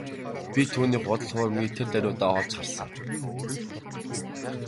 Би түүний худал хуурмагийг тэр даруйдаа олж харсан.